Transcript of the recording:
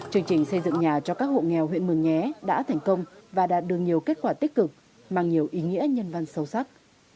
chương trình xây dựng nhà cho các hộ nghèo huyện mường nhé đã thành công và đạt được nhiều kết quả tích cực mang nhiều ý nghĩa nhân văn sâu sắc